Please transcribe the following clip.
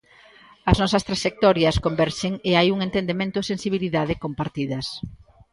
As nosas traxectorias converxen e hai un entendemento e sensibilidade compartidas.